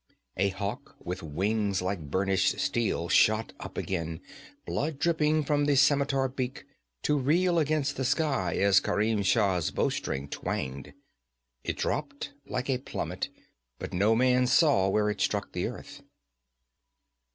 A hawk with wings like burnished steel shot up again, blood dripping from the scimitar beak, to reel against the sky as Kerim Shah's bowstring twanged. It dropped like a plummet, but no man saw where it struck the earth.